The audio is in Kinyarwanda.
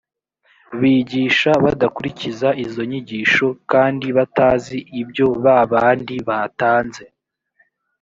bigisha badakurikiza izo nyigisho kandi batazi ibyo ba bandi batanze